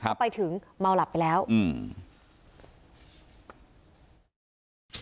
พอไปถึงเมาหลับไปแล้วอืม